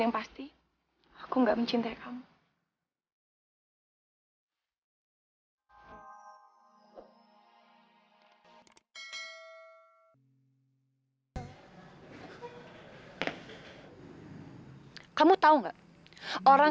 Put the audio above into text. awas ya kali ini kamu harus datang